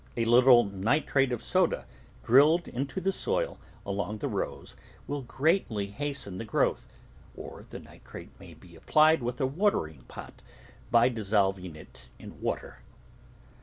A little nitrate of soda drilled into the soil along the rows will greatly hasten the growth, or the nitrate may be applied with a watering pot by dissolving it in water.